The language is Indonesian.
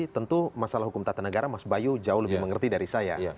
tentu masalah hukum tata negara mas bayu jauh lebih mengerti dari saya